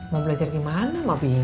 mau belajar gimana mak bingung